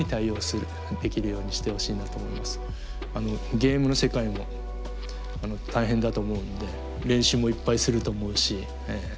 ゲームの世界も大変だと思うんで練習もいっぱいすると思うし